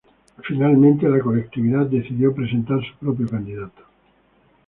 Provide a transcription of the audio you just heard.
Finalmente la colectividad decidió presentar su propio candidato.